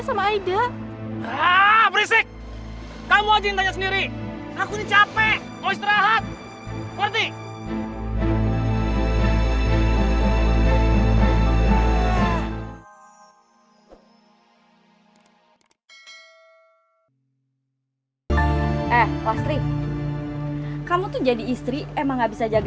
sampai jumpa di video selanjutnya